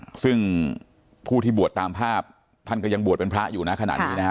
ค่ะซึ่งผู้ที่บวชตามภาพท่านก็ยังบวชเป็นพระอยู่นะขนาดนี้นะฮะ